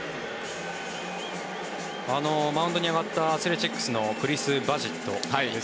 マウンドに上がったアスレチックスのクリス・バシット